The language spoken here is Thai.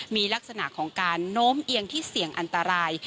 มีลักษณะของการโน้มเอียงที่เสี่ยงอันตราย